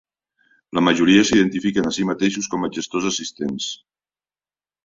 La majoria s'identifiquen a si mateixos com a "gestors assistents.